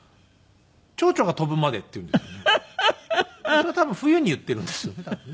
それは多分冬に言っているんですよね多分ね。